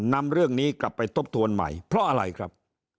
นำเรื่องนี้กลับไปทบทวนใหม่เพราะอะไรครับ